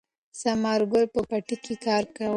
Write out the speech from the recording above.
ثمر ګل په پټي کې کار کاوه.